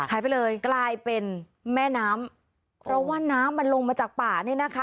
หายไปเลยกลายเป็นแม่น้ำเพราะว่าน้ำมันลงมาจากป่านี่นะคะ